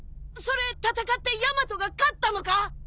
それ戦ってヤマトが勝ったのか？